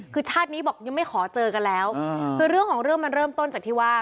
คือชาตินี้บอกยังไม่ขอเจอกันแล้วคือเรื่องของเรื่องมันเริ่มต้นจากที่ว่า